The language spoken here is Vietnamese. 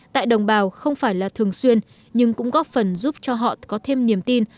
tại đồng bào không phải là thường xuyên nhưng cũng góp phần giúp cho họ có thêm niềm tin